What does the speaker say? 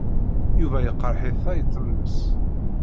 Yuba teqreḥ-it tayet-nnes.